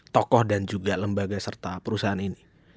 tokoh dan juga lembaga serta perusahaan ini